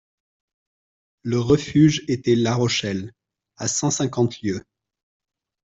Le refuge était la Rochelle, à cent cinquante lieues.